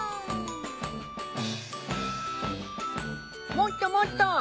もっともっと！